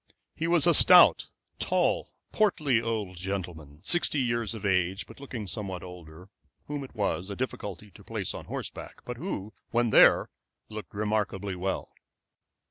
He was a stout, tall, portly old gentleman, sixty years of age, but looking somewhat older, whom it was a difficulty to place on horseback, but who, when there, looked remarkably well.